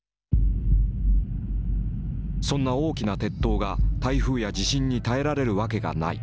「そんな大きな鉄塔が台風や地震に耐えられるわけがない」。